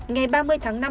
ngày ba mươi tháng năm